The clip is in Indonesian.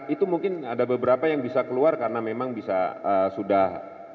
itu mungkin ada beberapa yang bisa keluar karena memang bisa sudah